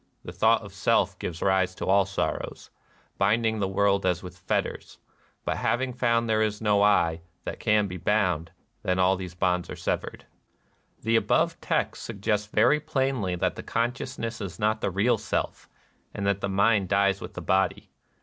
The thought of ^ Self ^ gives rise to all sorrows, — binding the world as with fetters ; hut having found there is no '/' that can he hound, then all these honds are severed,''' ^ The above text suggests very plainly that the consciousness is not the Real SeK, and that the mind dies with the body.